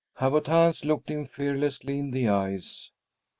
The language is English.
Abbot Hans looked him fearlessly in the eyes.